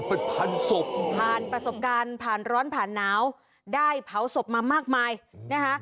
เป็นพันศพผ่านประสบการณ์ผ่านร้อนผ่านหนาวได้เผาศพมามากมายนะคะ